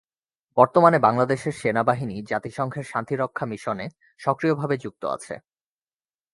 বর্তমানে বাংলাদেশ সেনাবাহিনী জাতিসংঘের শান্তিরক্ষা মিশনে সক্রিয়ভাবে যুক্ত আছে।